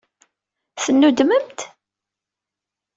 Tennudmemt?